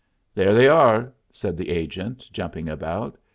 "There they are," said the agent, jumping about.